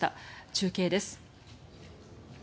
中継です。